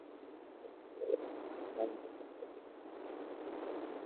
ইচ্ছা হইল নদীর জীর্ণ পাড়ের মতো ঝুপ করিয়া ভাঙিয়া জলে পড়িয়া যান।